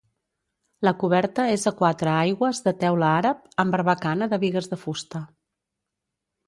La coberta és a quatre aigües de teula àrab, amb barbacana de bigues de fusta.